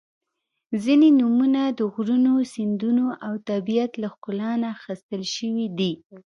• ځینې نومونه د غرونو، سیندونو او طبیعت له ښکلا نه اخیستل شوي دي.